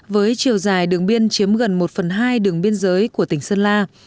với chiều dài đường biên chiếm gần một phần hai đường biên giới của tỉnh sơn la